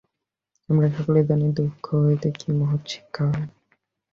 আমরা সকলেই জানি, দুঃখ হইতে কি মহৎ শিক্ষা হয়।